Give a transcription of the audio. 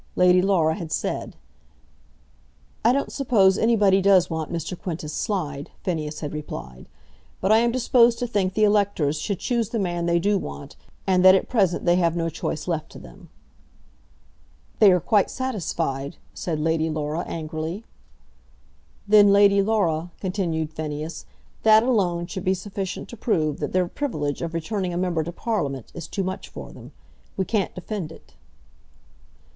Lady Laura had said. "I don't suppose anybody does want Mr. Quintus Slide," Phineas had replied; "but I am disposed to think the electors should choose the man they do want, and that at present they have no choice left to them." "They are quite satisfied," said Lady Laura, angrily. "Then, Lady Laura," continued Phineas, "that alone should be sufficient to prove that their privilege of returning a member to Parliament is too much for them. We can't defend it."